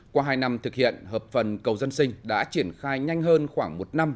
qua hai năm thực hiện hợp phần cầu dân sinh đã triển khai nhanh hơn khoảng một năm